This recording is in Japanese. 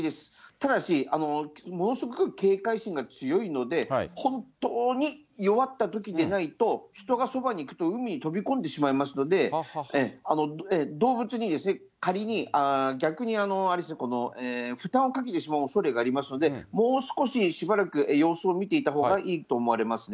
ただし、ものすごく警戒心が強いので、本当に弱ったときでないと、人がそばに行くと海に飛び込んでしまいますので、動物に、逆に負担をかけてしまうおそれがありますので、もう少ししばらく様子を見ていたほうがいいと思われますね。